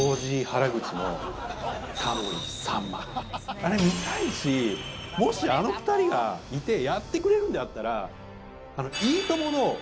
あれ見たいしもしあの２人がいてやってくれるんであったら。